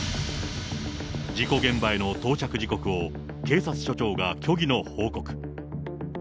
事故現場への到着時刻を警察署長が虚偽の報告。